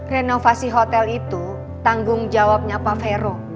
renovasi hotel itu tanggung jawabnya pak vero